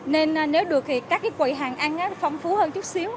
nên nếu được thì các cái quầy hàng ăn phong phú hơn